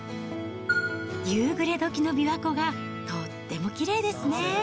夕暮れどきのびわ湖がとってもきれいですね。